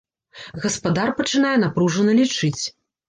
Гаспадар пачынае напружана лічыць.